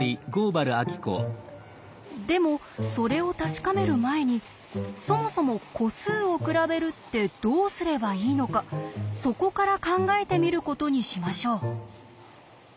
でもそれを確かめる前にそもそも個数を比べるってどうすればいいのかそこから考えてみることにしましょう。